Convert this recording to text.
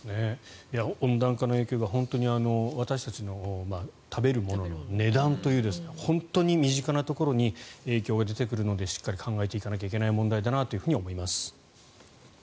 温暖化の影響が本当に私たちの食べるものの値段というところに本当に身近なところに影響が出てくるのでしっかり考えていかないといけない問題だなと思います。